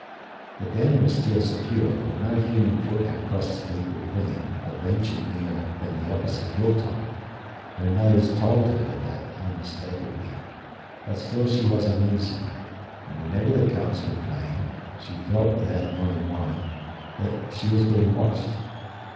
The den was still secure, for no human foot had crossed the deep ravine or ventured nearer than the opposite hilltop. Her nose told her that unmistakably; but still she was uneasy, and whenever the cubs were playing she felt, without knowing why, that she was being watched.